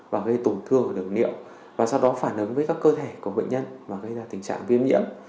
nó gây tổn thương đường tiết niệu và sau đó phản ứng với các cơ thể của bệnh nhân và gây ra tình trạng viêm nhiễm